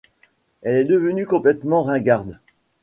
Elle est devenue complètement ringarde.